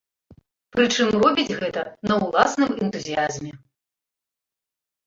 Прычым, робіць гэта на ўласным энтузіязме.